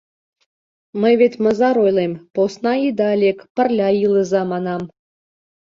Мый вет мызар ойлем: «Посна ида лек, пырля илыза», — манам.